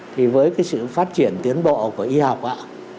thì với cái sự phát triển tiến bộ của y học